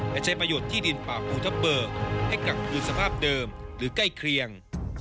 และใช้ประโยชน์ที่ดินป่าภูทับเบิกให้กลับคืนสภาพเดิมหรือใกล้เคียง